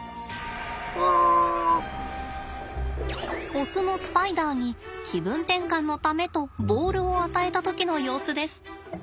オスのスパイダーに気分転換のためとボールを与えた時の様子です。